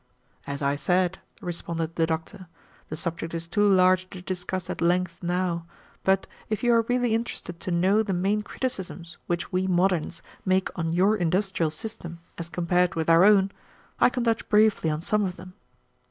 "As I said," responded the doctor, "the subject is too large to discuss at length now, but if you are really interested to know the main criticisms which we moderns make on your industrial system as compared with our own, I can touch briefly on some of them.